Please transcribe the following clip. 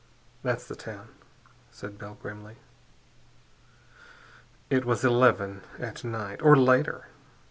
"That's the town," said Bell grimly. It was eleven at night, or later.